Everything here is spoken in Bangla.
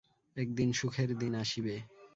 একদিন সুখের দিন আসিবে।